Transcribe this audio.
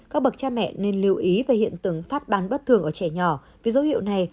các bậc cha mẹ nên lưu ý về hiện tượng phát bán bất thường ở trẻ nhỏ vì dấu hiệu này